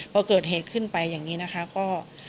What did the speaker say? พอเกิดเหตุขึ้นไปอย่างนี้นะคะก็